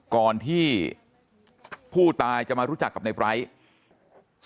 ก่อนที่ผู้ตายจะมารู้จักกับในไร้